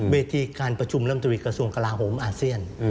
เวทีการประชุมลำตรีกระทรวงกลาโหมอาเซียน